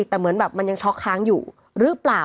แต่เหมือนแบบมันยังช็อกค้างอยู่หรือเปล่า